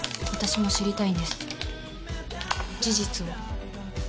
私も知りたいんです、事実を。